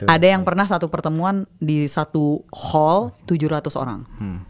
ada yang pernah satu pertemuan di satu hall tujuh ratus orang